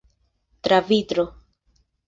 Tra vitro.